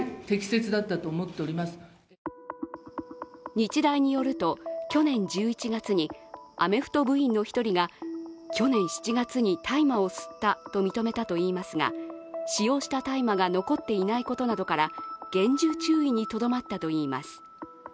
日大によると、去年１１月にアメフト部員の一人が去年７月に大麻を吸ったと認めたといいますが使用した大麻が残っていないことなどから厳重注意にとどまったといいます。